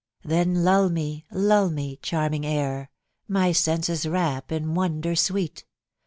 . Then lull me, lull me, charming air, My leases wrap in wonder sweet.